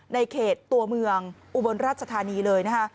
ในเขตตัวเมืองอุบลราชธานีเลยนะคะ